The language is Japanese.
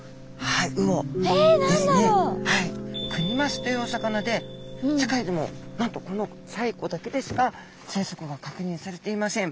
はいクニマスというお魚で世界でもなんとこの西湖だけでしか生息が確認されていません。